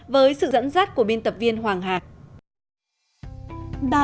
lịch sử lớn nhất